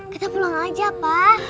kita pulang aja pak